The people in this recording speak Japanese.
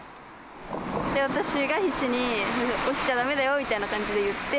私が必死に、落ちちゃだめだよみたいな感じで言って。